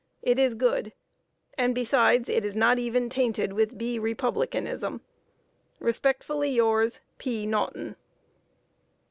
it is good. And besides it is not even tainted with B. Republicanism. Respectfully yours, "P. NAUGHTON."